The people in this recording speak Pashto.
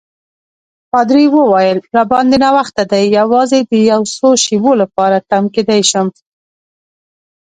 پادري وویل: راباندي ناوخته دی، یوازې د یو څو شېبو لپاره تم کېدای شم.